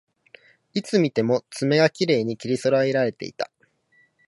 いつ見ても爪がきれいに切りそろえられていた